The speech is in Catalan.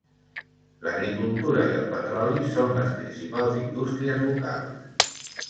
L'agricultura i el petroli són les principals indústries locals.